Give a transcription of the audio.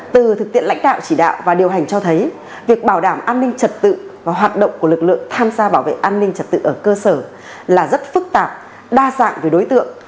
từ thực tiện lãnh đạo chỉ đạo và điều hành cho thấy việc bảo đảm an ninh trật tự và hoạt động của lực lượng tham gia bảo vệ an ninh trật tự ở cơ sở là rất phức tạp đa dạng về đối tượng